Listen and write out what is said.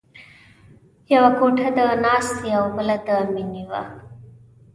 یوه کوټه د ناستې او بله د مینې وه